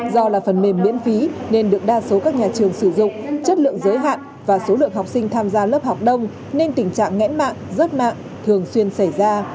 do là phần mềm miễn phí nên được đa số các nhà trường sử dụng chất lượng giới hạn và số lượng học sinh tham gia lớp học đông nên tình trạng nghẽn mạng rớt mạng thường xuyên xảy ra